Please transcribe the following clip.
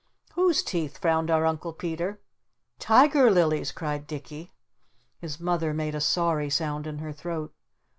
"Whose teeth?" frowned our Uncle Peter. "Tiger Lily's!" cried Dicky. His Mother made a sorry sound in her throat.